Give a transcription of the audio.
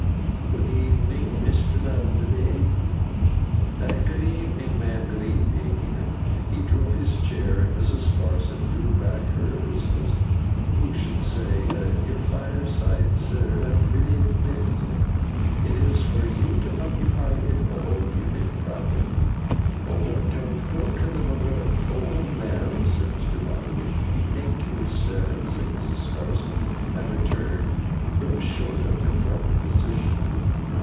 'Good evening, Mr. Bounderby!' 'Good evening, ma'am, good evening.' He drew up his chair, and Mrs. Sparsit drew back hers, as who should say, 'Your fireside, sir. I freely admit it. It is for you to occupy it all, if you think proper.' 'Don't go to the North Pole, ma'am!' said Mr. Bounderby. 'Thank you, sir,' said Mrs. Sparsit, and returned, though short of her former position.